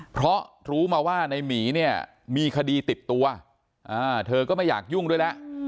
เพราะรู้มาว่าในหมีเนี่ยมีคดีติดตัวเธอก็ไม่อยากยุ่งด้วยแล้ว